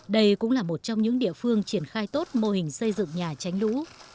đây cũng là một trong những địa phương triển khai tốt mô hình xây dựng nhà tránh lũ